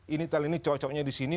ini talent talent cocoknya di sini